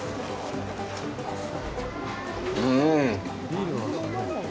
うん！